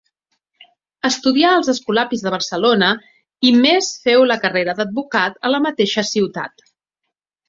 Estudià als Escolapis de Barcelona i més féu la carrera d'advocat a la mateixa ciutat.